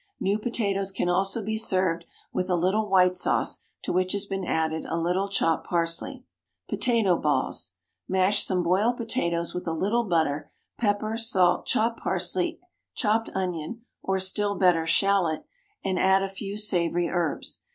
New potatoes can also be served with a little white sauce to which has been added a little chopped parsley. POTATO BALLS. Mash some boiled potatoes with a little butter, pepper, salt, chopped parsley, chopped onion, or still better, shallot, and add a few savoury herbs.